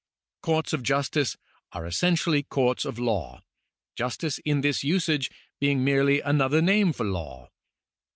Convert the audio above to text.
Courts of justice are essentially courts of law, justice in this usage being merely' another name for law.